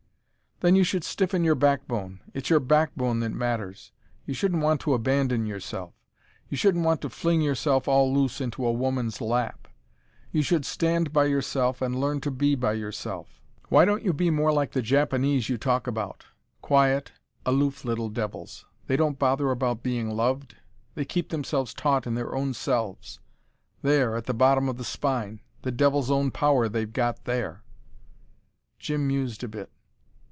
"Then you should stiffen your backbone. It's your backbone that matters. You shouldn't want to abandon yourself. You shouldn't want to fling yourself all loose into a woman's lap. You should stand by yourself and learn to be by yourself. Why don't you be more like the Japanese you talk about? Quiet, aloof little devils. They don't bother about being loved. They keep themselves taut in their own selves there, at the bottom of the spine the devil's own power they've got there." Jim mused a bit.